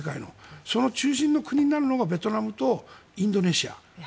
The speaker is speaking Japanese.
その中心の国になるのがベトナムとインドネシア。